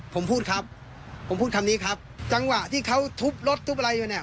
ผมพูดครับผมพูดคำนี้ครับจังหวะที่เขาทุบรถทุบอะไรอยู่เนี่ย